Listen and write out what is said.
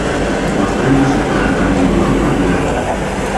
O estreito separa tamén Europa de África.